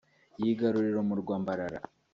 yigarurira umurwa Mbarara